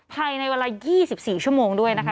ภายในเวลา๒๔ชั่วโมงด้วยนะคะ